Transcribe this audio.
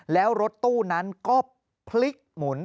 แล้วรถตู้นั้นก็พลิกหมุน